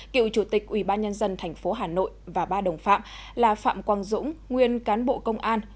cựu chủ tịch ủy ban nhân dân thành phố hà nội và ba đồng phạm là phạm quang dũng nguyên cán bộ công an